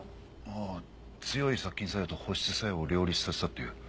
ああ強い殺菌作用と保湿作用を両立させたっていう。